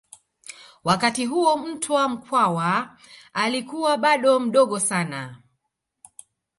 Wakati huo Mtwa Mkwawa alikuwa bado mdogo sana